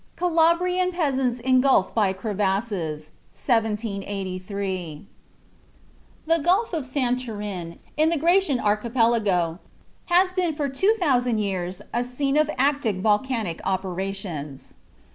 CALABRIAN PEASANTS INGULFED BY CREVASSES (1783). The Gulf of Santorin, in the Grecian Archipelago, has been for two thousand years a scene of active volcanic operations.